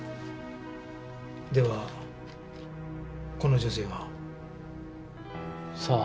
ではこの女性は？さあ？